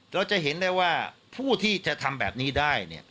เราจะเห็นได้ว่าผู้ที่จะทำแบบนี้ได้